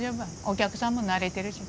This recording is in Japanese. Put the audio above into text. お客さんも慣れてるし。